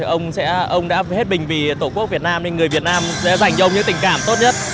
ông đã hết bình vì tổ quốc việt nam nên người việt nam sẽ dành cho ông những tình cảm tốt nhất